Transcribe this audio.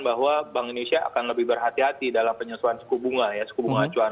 bahwa bank indonesia akan lebih berhati hati dalam penyesuaian suku bunga ya suku bunga acuan